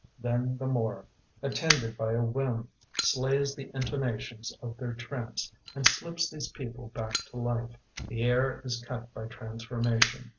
Then the morgue, attended by a whim, Slays the intonations of their trance And slips these people back to life. The air is cut by transformation.